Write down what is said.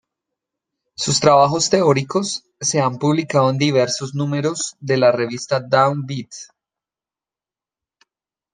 Sus trabajos teóricos, se han publicado en diversos números de la revista Down Beat.